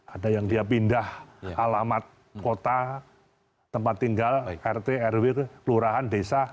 ada yang dia pindah alamat kota tempat tinggal rt rw kelurahan desa